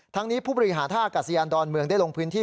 ทั้งนี้ผู้บริหารท่าอากาศยานดอนเมืองได้ลงพื้นที่